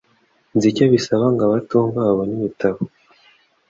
nzi icyo bisaba ngo abatumva babone ibitabo